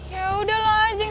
yaudah lah jeng